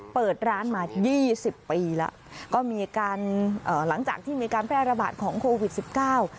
เปิดร้านมายี่สิบปีแล้วก็มีการเอ่อหลังจากที่มีการแพร่ระบาดของโควิดสิบเก้า